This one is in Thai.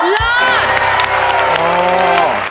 เลิศโอ้โฮ